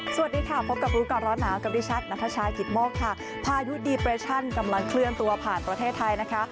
สวัสดีค่ะพบกับรู้ก่อนร้อนหนาวกับดิฉันนัทชายกิตโมกค่ะพายุดีเปรชั่นกำลังเคลื่อนตัวผ่านประเทศไทยนะคะ